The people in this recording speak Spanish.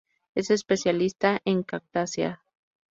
Es especialista en Cactaceae.